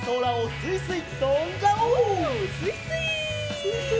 すいすい！